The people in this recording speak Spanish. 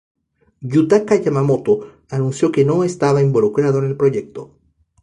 Yutaka Yamamoto anunció que no estaba involucrado en el proyecto.